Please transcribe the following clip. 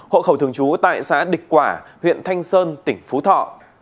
hộ khẩu thường trú tại xã địch quả huyện thanh sơn tỉnh phú thọ